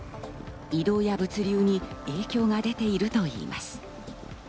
移動や物流に影響が出ているといいます。